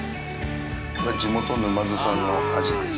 これ地元沼津産のアジです。